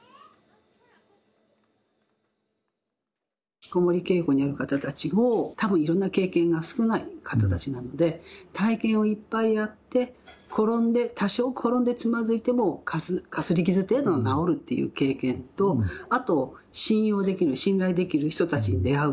ひきこもり傾向にある方たちを多分いろんな経験が少ない方たちなので体験をいっぱいやって転んで多少転んでつまずいてもかすり傷程度なら治るっていう経験とあと信用できる信頼できる人たちに出会う。